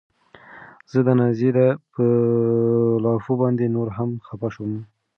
زه د نازيې په لافو باندې نوره هم خپه شوم.